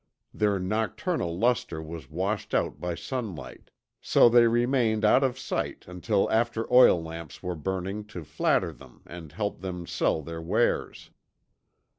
Their nocturnal luster was washed out by sunlight, so they remained out of sight until after oil lamps were burning to flatter them and help them sell their wares.